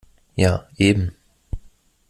Ja, eben.